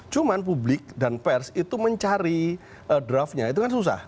cuman publik dan pers itu mencari draftnya itu kan susah